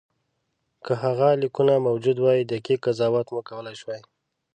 که هغه لیکونه موجود وای دقیق قضاوت مو کولای شوای.